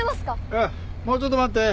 あっもうちょっと待って。